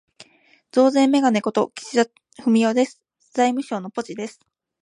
増税めがね事、岸田文雄です。財務省のポチです。